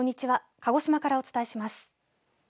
鹿児島からお伝えします。